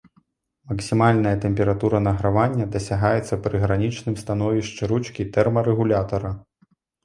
Максімальная тэмпература награвання дасягаецца пры гранічным становішчы ручкі тэрмарэгулятара.